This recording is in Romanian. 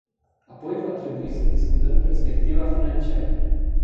Apoi va trebui să discutăm perspectiva financiară.